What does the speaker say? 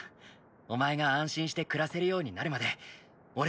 お前が安心して暮らせるようになるまで俺も一緒に戦う。